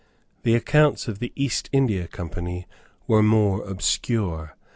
The accounts of the East India Company were more obscure.